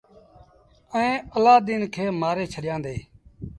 ائيٚݩ الآدين کي مآري ڇڏيآندي۔